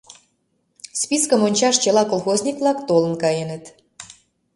Спискым ончаш чыла колхозник-влак толын каеныт.